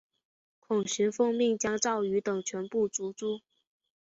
孔循奉命将赵虔等全部族诛。